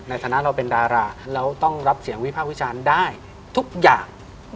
ในฐานะเราเป็นดาราแล้วต้องรับเสียงวิพากษ์วิจารณ์ได้ทุกอย่าง